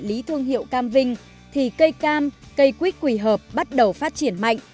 dẫn địa lý thương hiệu cam vinh thì cây cam cây quýt quỳ hợp bắt đầu phát triển mạnh